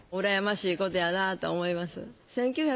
羨ましいことやなと思います。